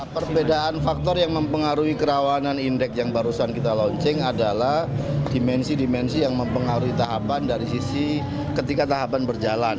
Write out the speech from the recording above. perbedaan faktor yang mempengaruhi kerawanan indeks yang barusan kita launching adalah dimensi dimensi yang mempengaruhi tahapan dari sisi ketika tahapan berjalan